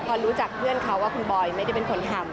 พอรู้จักเพื่อนเขาว่าคุณบอยไม่ได้เป็นคนทำ